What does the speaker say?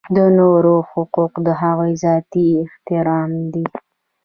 د نورو حقوق د هغوی ذاتي احترام دی.